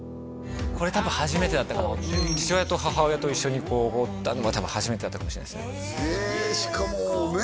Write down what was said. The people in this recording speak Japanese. これ多分初めてだったかな父親と母親と一緒にこうおごったのは初めてだったかもしれないですへえしかもね